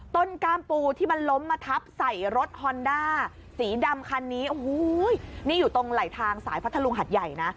ก้ามปูที่มันล้มมาทับใส่รถฮอนด้าสีดำคันนี้โอ้โหนี่อยู่ตรงไหลทางสายพัทธรุงหัดใหญ่นะ